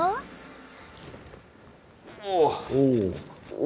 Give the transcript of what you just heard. おお。